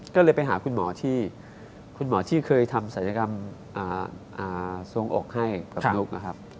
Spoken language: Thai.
ก็เลยไปหาคุณหมอที่เคยทำศัลยกรรมส่วงอกให้กับนุ๊กนะครับ